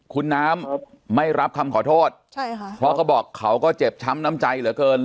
คุณน้ำไม่รับคำขอโทษใช่ค่ะเพราะเขาบอกเขาก็เจ็บช้ำน้ำใจเหลือเกิน